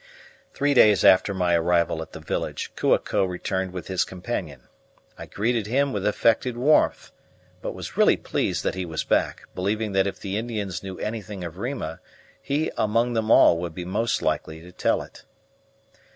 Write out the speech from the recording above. Three days after my arrival at the village, Kua ko returned with his companion. I greeted him with affected warmth, but was really pleased that he was back, believing that if the Indians knew anything of Rima he among them all would be most likely to tell it.